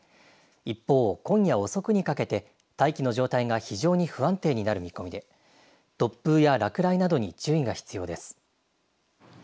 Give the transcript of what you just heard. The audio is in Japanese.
一方、今夜遅くにかけて大気の状態が非常に不安定になる見込みで突風や落雷などに注意が必要です。